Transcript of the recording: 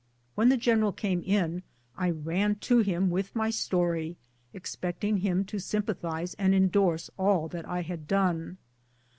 When the general came in I ran to him with my story, expecting his sympathy, and that he would endorse all that I had done.